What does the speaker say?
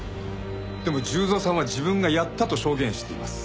でも重蔵さんは自分がやったと証言しています。